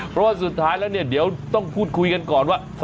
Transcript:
เพราะว่าสุดท้ายแล้วเนี่ยเดี๋ยวต้องพูดคุยกันก่อนว่า